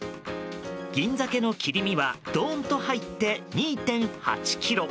銀ザケの切り身はどーんと入って２．８ｋｇ。